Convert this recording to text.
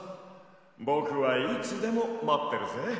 ぼくはいつでもまってるぜ。